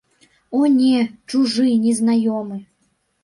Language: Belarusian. О не, чужы, незнаёмы.